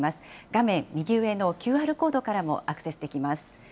画面右上のＱＲコードからもアクセスできます。